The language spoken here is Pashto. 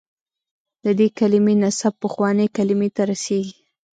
د دې کلمې نسب پخوانۍ کلمې ته رسېږي.